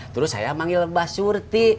terus saya manggil mbak surti